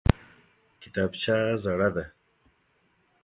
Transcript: کتابچه زړه ده!